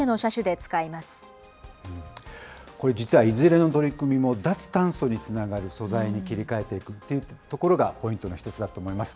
これ、実はいずれの取り組みも、脱炭素につながる素材に切り替えていくということがポイントの一つだと思います。